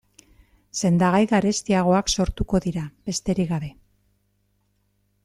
Sendagai garestiagoak sortuko dira, besterik gabe.